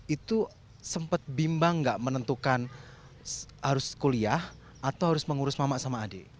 itu sempat bimbang nggak menentukan harus kuliah atau harus mengurus mama sama adik